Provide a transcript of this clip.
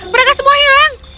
mereka semua hilang